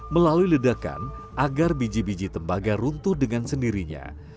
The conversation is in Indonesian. melalui ledakan agar biji biji tembaga runtuh dengan sendirinya